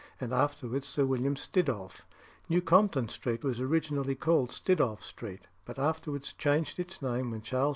and afterwards Sir William Stiddolph. New Compton Street was originally called Stiddolph Street, but afterwards changed its name when Charles II.